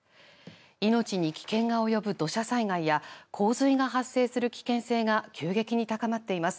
命に危険が及ぶ土砂災害や洪水が発生する危険性が急激に高まっています。